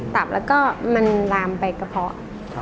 ตับแล้วก็มันลามไปกระเพาะ